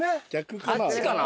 あっちかな？